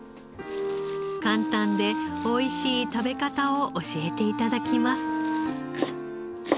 簡単でおいしい食べ方を教えて頂きます。